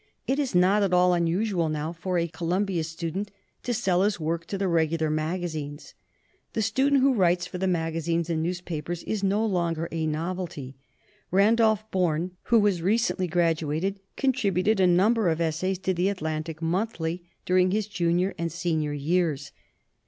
It is not at all unusual now for a Columbia stu dent to sell his work to the regular magazines. The student who writes for the magazines and 203 LITERATURE IN THE MAKING newspapers is no longer a novelty. Randolph Bourne, who was recently graduated, contributed a number of essays to the Atlantic Monthly dur ing his junior and senior years.